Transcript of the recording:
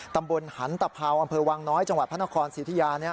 ตำบลหันตะเผาอำเภอวังน้อยจังหวัดพระนครสิทธิยา